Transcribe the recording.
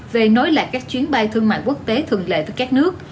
về nối lại các chuyến bay thương mại quốc tế thường lệ với các nước